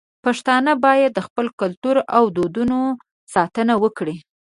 پښتانه بايد د خپل کلتور او دودونو ساتنه وکړي.